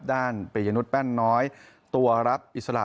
ปียนุษยแป้นน้อยตัวรับอิสระ